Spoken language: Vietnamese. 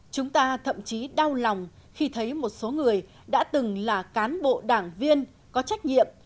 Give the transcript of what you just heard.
chúng ta thậm chí đau lòng khi thấy một số người đã từng là cán bộ đảng viên có trách nhiệm